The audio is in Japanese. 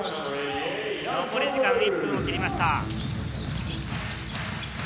残り時間１分を切りました。